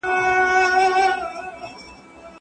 سهارنۍ د ورځې د لومړنیو خوراکونو په پرتله مهمه ده.